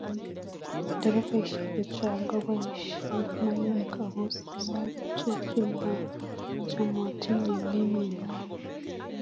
nderefainik chechang kobaishe maywek ako sagitek chemachamatin eng emenyo